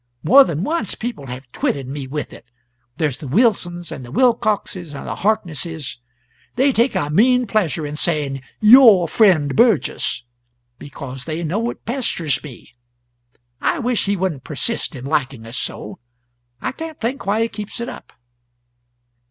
More than once people have twitted me with it. There's the Wilsons, and the Wilcoxes, and the Harknesses, they take a mean pleasure in saying 'Your friend Burgess,' because they know it pesters me. I wish he wouldn't persist in liking us so; I can't think why he keeps it up."